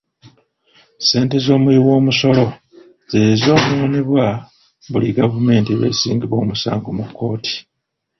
Ssente z'omuwi w'omusolo ze zoonoonebwa buli gavumenti lw'esingisibwa omusango mu kkooti.